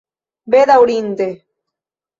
bedaurinde